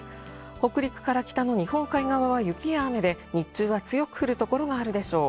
北陸から北の日本海側は雪や雨で日中は強く降る所があるでしょう。